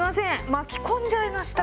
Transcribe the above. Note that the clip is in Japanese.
巻き込んじゃいました。